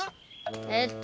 えっと